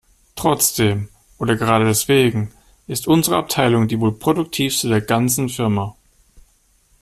Trotzdem - oder gerade deswegen - ist unsere Abteilung die wohl produktivste der ganzen Firma.